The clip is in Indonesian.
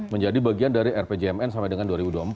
menjadi bagian dari rpjmn sampai dengan dua ribu dua puluh empat